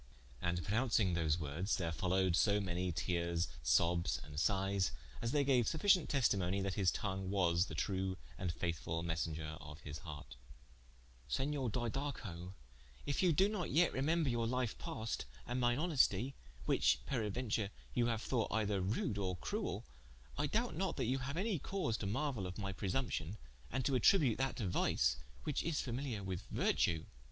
And pronouncing those words, there followed so many teares, sobbes and sighes, as they gaue sufficient testimony, that his tongue was the true and faithfull messenger of his hart. Whereof Violenta some what ashamed, with a constante grace said vnto him: "Senior Didaco, if you do yet remember your life past, and mine honesty (which peraduenture you haue thought either rude or cruell) I doubt not, that you haue any cause to maruaile of my presumption and to attribute that to vice, which is familiar with vertue.